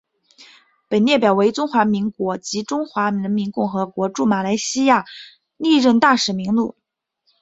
本列表为中华民国及中华人民共和国驻马来西亚历任大使名录。